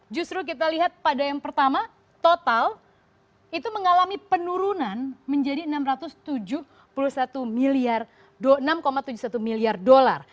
justru kita lihat pada yang pertama total itu mengalami penurunan menjadi enam ratus tujuh puluh satu miliar enam tujuh puluh satu miliar dolar